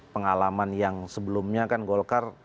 pengalaman yang sebelumnya kan golkar